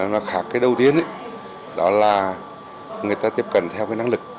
nó khác cái đầu tiên đó là người ta tiếp cận theo năng lực